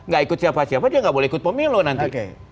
gak ikut siapa siapa dia nggak boleh ikut pemilu nanti